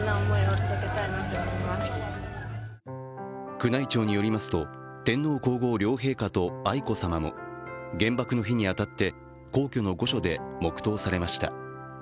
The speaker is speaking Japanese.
宮内庁によりますと、天皇皇后両陛下と愛子さまも原爆の日に当たって皇居の御所で黙とうされました。